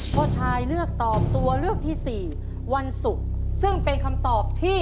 พ่อชายเลือกตอบตัวเลือกที่สี่วันศุกร์ซึ่งเป็นคำตอบที่